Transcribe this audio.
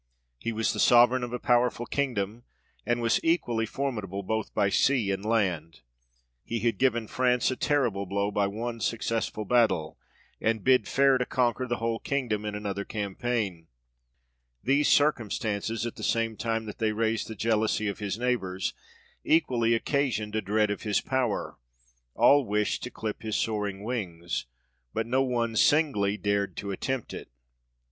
He was the sovereign of a powerful kingdom, and was equally formidable, both by sea and land. He had given France a terrible blow by one successful battle, and bid fair to conquer the whole kingdom in another campaign ; these circumstances, at the same time that they raised the jealousy of his neighbours, equally occasioned a dread of his power : all wished to clip his soaring wings, but no one singly dared to attempt it.